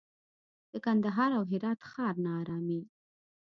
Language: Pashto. د کندهار او هرات ښار ناارامي